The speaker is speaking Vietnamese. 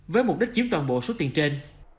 với mục đích chiếm toàn bộ số tiền trên